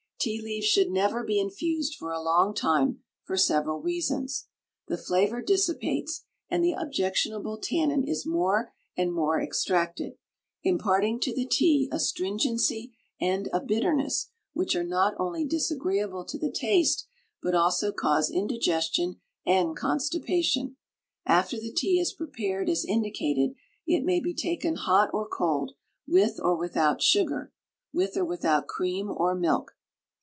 Tea leaves should never be infused for a long time for several reasons. The flavor dissipates and the objectionable tannin is more and more extracted, imparting to the tea astringency and a bitterness, which are not only disagreeable to the taste but also cause indigestion and constipation. After the tea is prepared as indicated it may be taken hot or cold, with or without sugar, with or without cream or milk.